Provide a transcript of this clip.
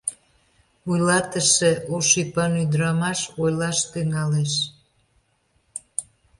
Вуйлатыше, ош ӱпан ӱдырамаш, ойлаш тӱҥалеш: